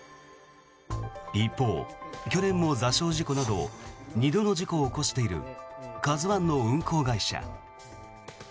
一方、去年も座礁事故など２度の事故を起こしている「ＫＡＺＵ１」の運航会社。